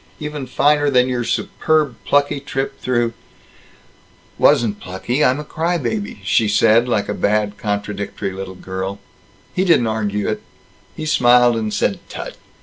Even finer than your superb plucky trip through " "Wasn't plucky! I'm a cry baby," she said, like a bad, contradictory little girl. He didn't argue it. He smiled and said "Tut!"